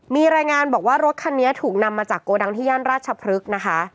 มีรายงานบอกว่ารถคันนี้ถูกนำมาจากโกดังที่ย่านราชพฤกษ์นะคะ